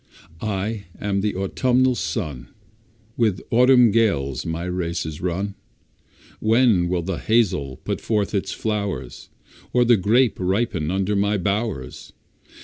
I am the autumnal sun, With autumn gales my race is run; When will the hazel put forth its flowers, Or the grape ripen under my bowers?